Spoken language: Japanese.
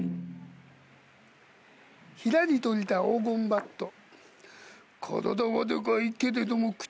ひらりと降りた黄金バット。